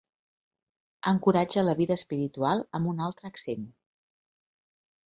Encoratja la vida espiritual amb un altre accent.